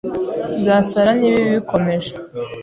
Nzasara niba ibi bikomeje.